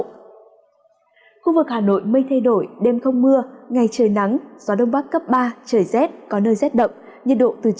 khu vực hà nội mây thay đổi đêm không mưa ngày trời nắng gió đông bắc cấp ba trời rét có nơi rét động nhiệt độ từ chín hai mươi bốn độ